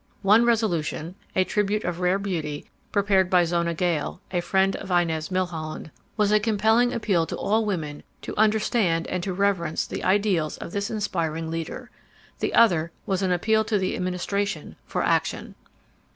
One resolution, a tribute of rare beauty, prepared by Zona Gale, a friend of Inez Milholland, was a compelling appeal to all women to understand and to reverence the ideals of this inspiring leader. The other was an appeal to the Administration for action.